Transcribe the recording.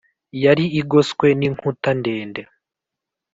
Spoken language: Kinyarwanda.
yari igoswe n inkuta ndende